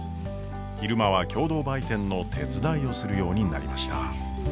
昼間は共同売店の手伝いをするようになりました。